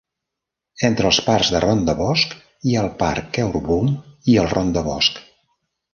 Entre els parcs de Rondebosch hi ha el parc Keurboom i el Rondebosch.